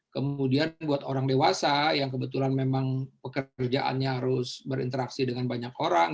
kemudian buat orang dewasa yang kebetulan memang pekerjaannya harus berinteraksi dengan banyak orang